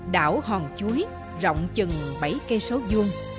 đảo hòn chuối rộng chừng bảy km hai